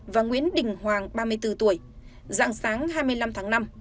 và nguyễn đình hoàng ba mươi bốn tuổi dạng sáng hai mươi năm tháng năm